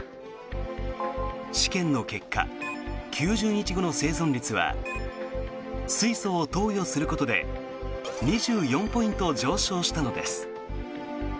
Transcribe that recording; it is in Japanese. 試験の結果、９０日後の生存率は水素を投与することで２４ポイント上昇したのです。